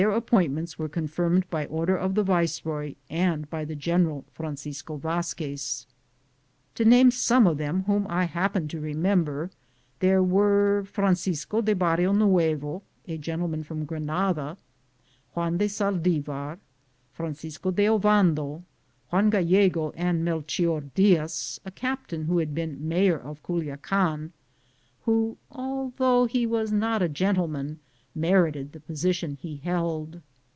appointments were confirmed by order of the viceroy and by the general, Francisco Vazquez. Taname some of them whom I happen to remember* there were Francisco de Barrionuevo, a gen^lenian from Granada; Juan de Saldivar, Fiad^ co de Ovando, Juan Gallego, and Melchior I?* 2 — a captain who had been mayor of Culiacarcy who, although he was not a gentleman, \ merited the position he held.